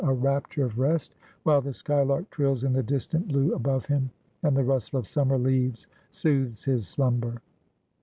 a rapture of rest, while the skylark trills in the distant blue above him, and the rustle of summer leaves soothes his slumber.